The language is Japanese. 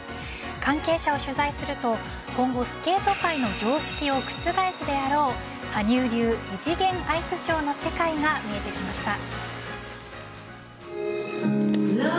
関係者を取材すると今後、スケート界の常識を覆すであろう羽生流異次元アイスショーの世界が見えてきました。